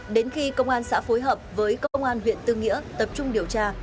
đến khi công an xã phối hợp với công an huyện tư nghĩa tập trung điều tra